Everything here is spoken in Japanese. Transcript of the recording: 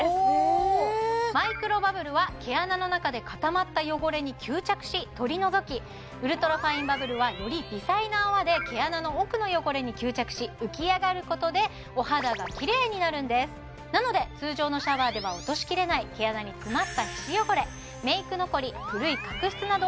おマイクロバブルは毛穴の中で固まった汚れに吸着し取り除きウルトラファインバブルはより微細な泡で毛穴の奥の汚れに吸着し浮き上がることでお肌がきれいになるんですなので通常のシャワーでは落としきれない毛穴に詰まった村上さん